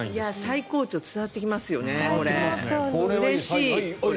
最高潮が伝わってきますよね。